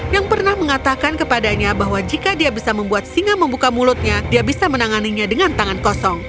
yang pernah mengatakan kepadanya bahwa jika dia bisa membuat singa membuka mulutnya dia bisa menanganinya dengan tangan kosong